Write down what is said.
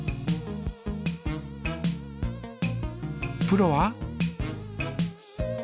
プロは？